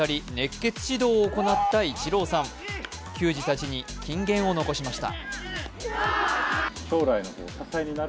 球児たちに金言を残しました。